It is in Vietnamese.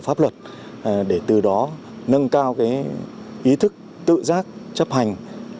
pháp luật để từ đó nâng cao ý thức tự giác chấp hành